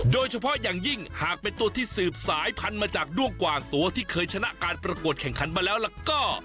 โดยเฉพาะอย่างยิ่งหากเป็นตัวที่สืบสายพันธุ์มาจากด้วงกว่างตัวที่เคยชนะการประกวดแข่งขันมาแล้วล่ะก็